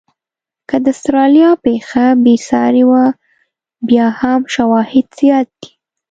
که د استرالیا پېښه بې ساري وه، بیا هم شواهد زیات دي.